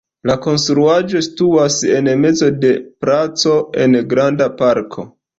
La konstruaĵo situas en mezo de placo en granda parko.